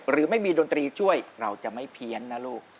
หรือไม่มีดนตรีช่วยเราจะไม่เพี้ยนนะลูก